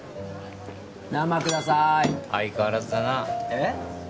生ください相変わらずだなえっ？